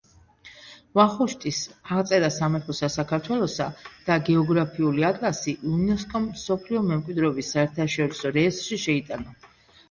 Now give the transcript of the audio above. ვახუშტის „აღწერა სამეფოსა საქართველოსა“ და „გეოგრაფიული ატლასი“ იუნესკომ მსოფლიო მემკვიდრეობის საერთაშორისო რეესტრში შეიტანა.